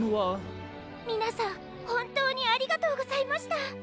みなさんほんとうにありがとうございました。